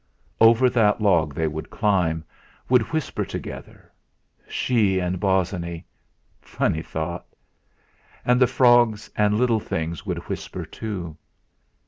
Over that log they would climb; would whisper together. She and Bosinney! Funny thought! And the frogs and little things would whisper too!